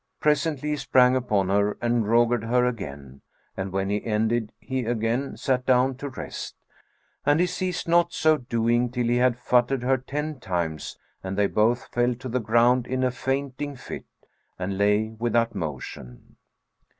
Presently, he sprang upon her and rogered her again; and when he ended he again sat down to rest, and he ceased not so doing till he had futtered her ten times and they both fell to the ground in a fainting fit and lay without motion.